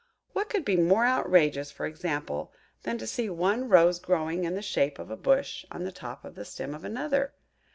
What could be more outrageous, for example, than to see one rose growing in the shape of a bush on the top of the stem of another?